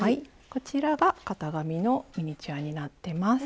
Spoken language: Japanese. こちらが型紙のミニチュアになってます。